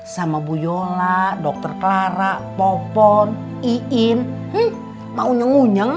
sama bu yola dokter clara popon iin